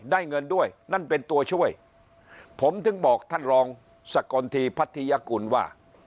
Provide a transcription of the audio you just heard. เงินด้วยนั่นเป็นตัวช่วยผมถึงบอกท่านรองสกลทีพัทยกุลว่า